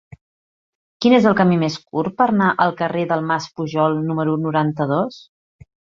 Quin és el camí més curt per anar al carrer del Mas Pujol número noranta-dos?